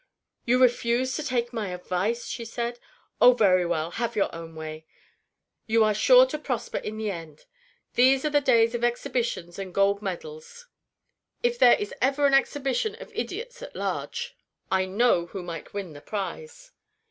"You refuse to take my advice?" she said. "Oh, very well, have your own way! You are sure to prosper in the end. These are the days of exhibitions and gold medals. If there is ever an exhibition of idiots at large, I know who might win the prize."